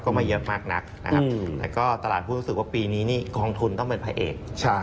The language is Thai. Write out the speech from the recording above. ก็ไม่เยอะมากนักและก็ตลาดผู้รู้สึกว่าปีนี้กองทุนต้องเป็นภายเอก